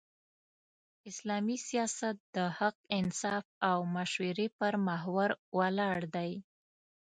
اسلامي سیاست د حق، انصاف او مشورې پر محور ولاړ دی.